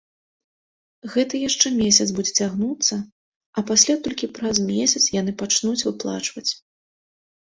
Гэта яшчэ месяц будзе цягнуцца, а пасля толькі праз месяц яны пачнуць выплачваць.